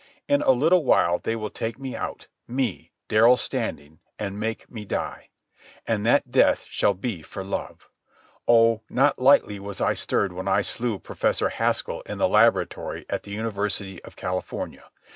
In a little while they will take me out, me, Darrell Standing, and make me die. And that death shall be for love. Oh, not lightly was I stirred when I slew Professor Haskell in the laboratory at the University of California.